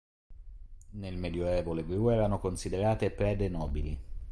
Nel Medioevo le gru erano considerate prede nobili.